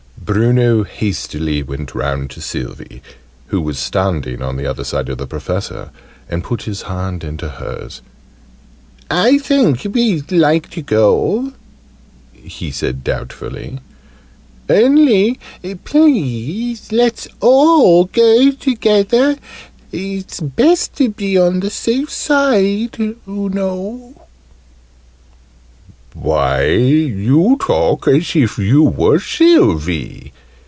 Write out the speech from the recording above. Bruno hastily went round to Sylvie, who was standing at the other side of the Professor, and put his hand into hers. "I thinks we'd like to go," he said doubtfully: "only please let's go all together. It's best to be on the safe side, oo know!" "Why, you talk as if you were Sylvie!"